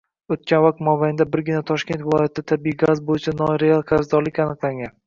Oʻtgan vaqt mobaynida birgina Toshkent viloyatida tabiiy gaz boʻyicha noreal qarzdorlik aniqlangan.